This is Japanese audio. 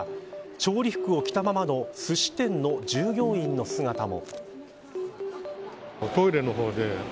調理服を着たままのすし店の従業員の姿も。